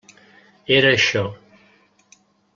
Era això.